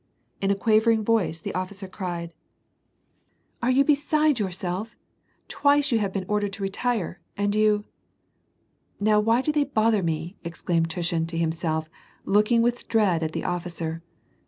In a quavering voice, the offi cer cried, —" Are you beside yourself ? Twice you have been ordered to retire, and you "—" Now why do they bother me ?" exclaimed Tushin to him self, looking with dread at the officer.